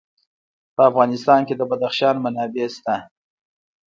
په افغانستان کې د بدخشان منابع شته.